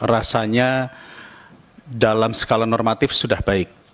rasanya dalam skala normatif sudah baik